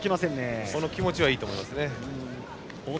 その気持ちはいいと思います。